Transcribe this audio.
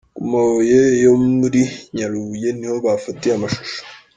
Ku mabuye yo muri Nyarubuye ni ho bafatiye amashusho.